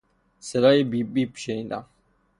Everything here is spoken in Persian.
صدای بیب بیب شنیدم.